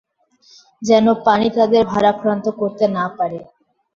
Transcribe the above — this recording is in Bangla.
যেন পানি তাদের ভারাক্রান্ত করতে না পারে।